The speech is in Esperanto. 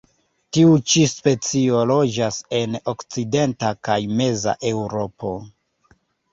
Tiu ĉi specio loĝas en okcidenta kaj meza Eŭropo.